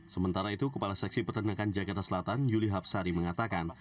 sementara itu kepala seksi peternakan jakarta selatan yuli habsari mengatakan